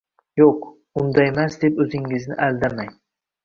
Yo`q, undaymas deb o`zingizni aldamang